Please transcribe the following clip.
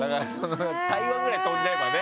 台湾くらい飛んじゃえばね。